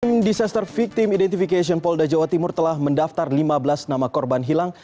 tim disaster victim identification polda jawa timur telah mendaftar lima belas nama korban hilang